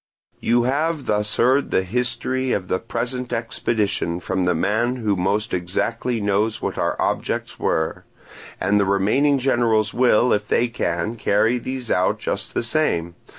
"You have thus heard the history of the present expedition from the man who most exactly knows what our objects were; and the remaining generals will, if they can, carry these out just the same.